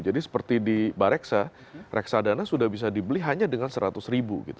jadi seperti di bareksa reksadana sudah bisa dibeli hanya dengan seratus ribu